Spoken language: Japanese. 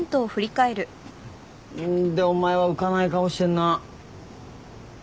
でお前は浮かない顔してんな。